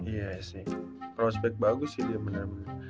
iya sih prospek bagus sih dia bener bener